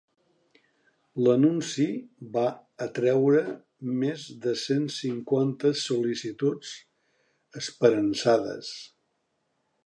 L'anunci va atreure més de cent cinquanta sol·licituds esperançades.